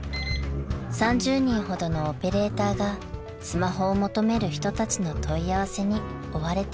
［３０人ほどのオペレーターがスマホを求める人たちの問い合わせに追われていました］